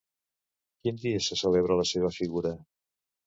Quin dia se celebra la seva figura?